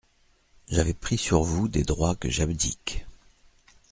J'avais pris sur vous des droits que j'abdique.